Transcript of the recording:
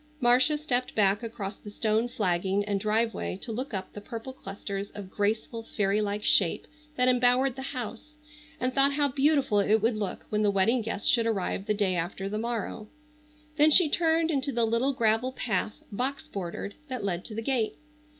Marcia stepped back across the stone flagging and driveway to look up the purple clusters of graceful fairy like shape that embowered the house, and thought how beautiful it would look when the wedding guests should arrive the day after the morrow. Then she turned into the little gravel path, box bordered, that led to the gate.